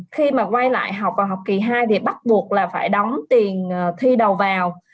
khi mà quay lại học vào học kỳ hai thì bắt buộc là phải đóng tiền thi đầu vào